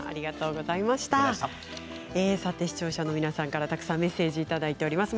視聴者の皆さんからたくさんメッセージをいただいています。